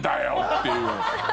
っていう。